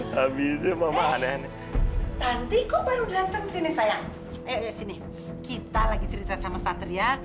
habisnya mama aneh aneh nanti kok baru dateng sini sayang sini kita lagi cerita sama satria